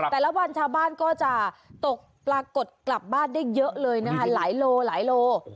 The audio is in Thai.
แต่ละวันชาวบ้านก็จะตกปรากฏกลับบ้านได้เยอะเลยนะคะหลายโลหลายโล